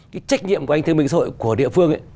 cái trách nhiệm của anh thương minh xã hội của địa phương ấy